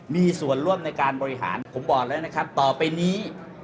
มีส่วนร่วมในการบริหารผมบอกแล้วนะครับต่อไปนี้